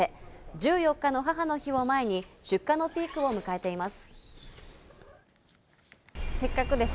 １４日の母の日を前に出荷のピークを迎えています。